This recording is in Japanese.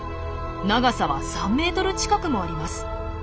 長さは３ｍ近くもあります。